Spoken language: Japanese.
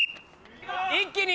一気に。